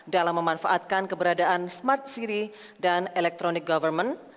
dalam memanfaatkan keberadaan smart city dan electronic government